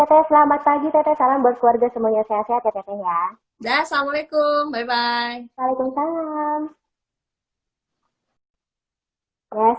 selamat pagi tetesan buat keluarga semuanya sehat ya ya ya ya assalamualaikum bye bye